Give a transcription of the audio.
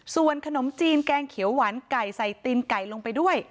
ส่วนขนมจีนแกงเขียวหวานไก่ใส่ตีนไก่ลงไปด้วย